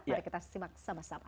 mari kita simak sama sama